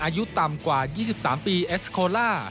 อายุต่ำกว่า๒๓ปีเอสโคล่า